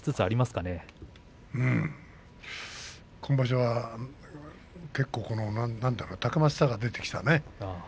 うーん今場所は結構たくましさが出てきたね。